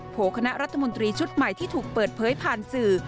โคณะรัฐมนตรีชุดใหม่ที่ถูกเปิดเผยผ่านสื่อ